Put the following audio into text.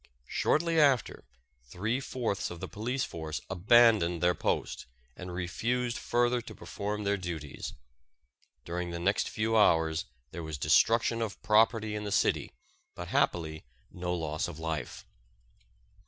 Shortly after, three fourths of the police force abandoned their posts and refused further to perform their duties. During the next few hours, there was destruction of property in the city but happily no loss of life.